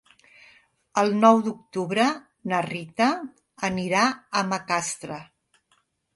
El nou d'octubre na Rita anirà a Macastre.